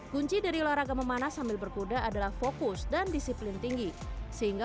kunci dari olahraga memanah sambil berkuda adalah fokus dan disiplin tinggi sehingga